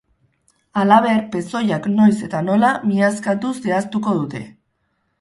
Halaber, pezoiak noiz eta nola miazkatu zehaztuko dute.